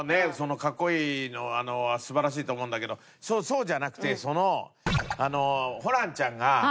格好いいのは素晴らしいと思うんだけどそうじゃなくてそのホランちゃんが。